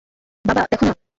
বাবা, দেখো না!